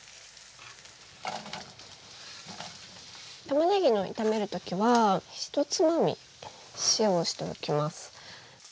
たまねぎの炒めるときは１つまみ塩をしておきます。